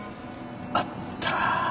あった。